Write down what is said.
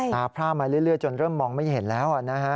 พร่ามาเรื่อยจนเริ่มมองไม่เห็นแล้วนะฮะ